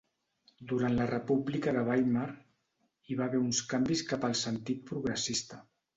Duran la República de Weimar, hi va haver uns canvis cap al sentit progressista.